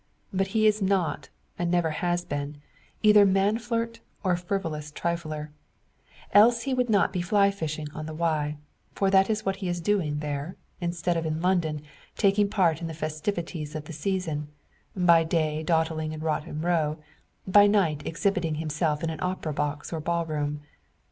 But he is not, and never has been, either man flirt or frivolous trifler; else he would not be fly fishing on the Wye for that is what he is doing there instead of in London, taking part in the festivities of the "season," by day dawdling in Rotten Row, by night exhibiting himself in opera box or ball room.